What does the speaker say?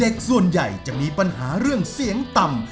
ส่วนใหญ่จะมีปัญหาเรื่องเสียงต่ำ